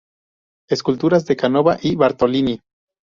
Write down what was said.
Esculturas de Canova y Bartolini.